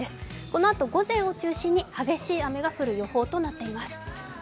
このあと午前を中心に激しい雨が降る予想となっています。